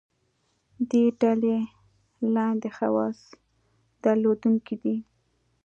دې ډلې لاندې خواص درلودونکي دي.